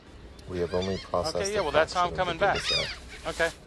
We have only processed a fraction of the dataset.